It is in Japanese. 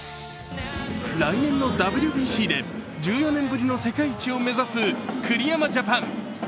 来年のＷＢＣで１４年ぶりの世界一を目指す栗山ジャパン。